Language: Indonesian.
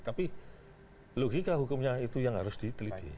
tapi logika hukumnya itu yang harus diteliti